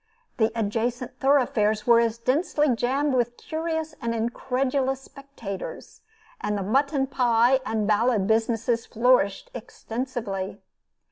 The adjacent thoroughfares were as densely jammed with curious and incredulous spectators, and the mutton pie and ballad businesses flourished extensively.